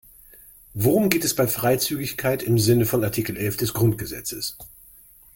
Worum geht es bei Freizügigkeit im Sinne von Artikel elf des Grundgesetzes?